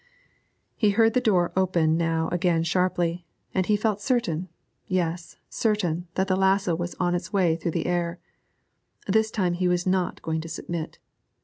He heard the door open now again sharply, and he felt certain, yes, certain, that the lasso was on its way through the air; this time he was not going to submit.